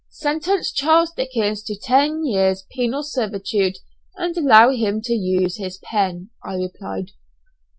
"Sentence Charles Dickens to ten years' penal servitude, and allow him to use his pen," I replied.